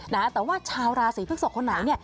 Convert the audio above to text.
แต่ว่าชาวราศีพฤกษกคนไหนเนี่ย